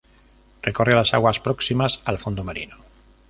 Recorre las aguas próximas al fondo marino.